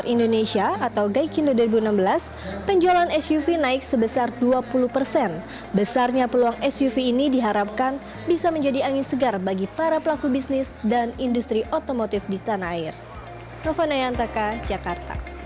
ini diharapkan bisa menjadi angin segar bagi para pelaku bisnis dan industri otomotif di tanah air